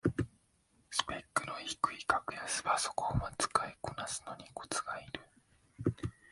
スペックの低い格安パソコンは使いこなすのにコツがいる